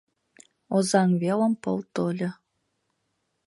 Озаҥ велым пыл тольо